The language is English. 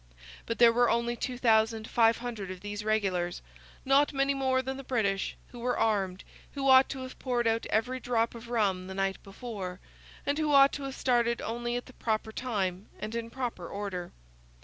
But there were only 2,500 of these regulars, not many more than the British, who were armed, who ought to have poured out every drop of rum the night before, and who ought to have started only at the proper time and in proper order.